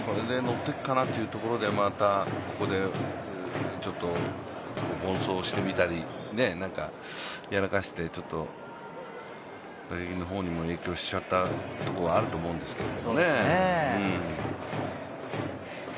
ッていくかなというところでまたここでちょっと凡走してみたり何かやらかしてちょっと打撃の方にも影響しちゃったところはあると思うんですけど。